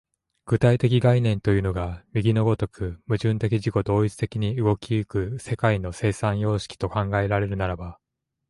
具体概念というのが右の如く矛盾的自己同一的に動き行く世界の生産様式と考えられるならば、